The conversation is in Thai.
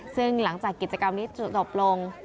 ซึ่งหลังจากกิจกรรมนี้จุดจบลง